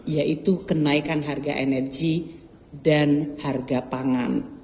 yaitu kenaikan harga energi dan harga pangan